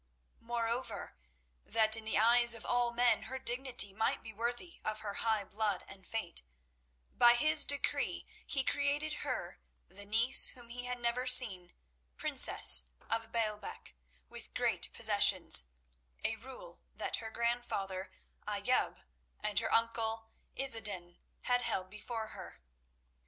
Moreover—that in the eyes of all men her dignity might be worthy of her high blood and fate—by his decree he created her, the niece whom he had never seen, Princess of Baalbec, with great possessions—a rule that her grandfather, Ayoub, and her uncle, Izzeddin, had held before her.